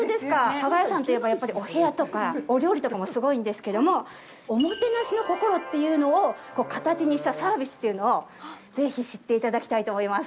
加賀屋さんといえば、やっぱりお部屋とか、お料理とかもすごいんですけどもおもてなしの心っていうのを形にしたサービスというのをぜひ知っていただきたいと思います。